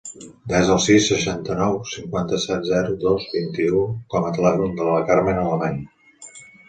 Desa el sis, seixanta-nou, cinquanta-set, zero, dos, vint-i-u com a telèfon de la Carmen Alemany.